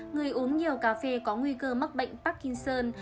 người uống nhiều cà phê có nguy cơ mắc bệnh parkinson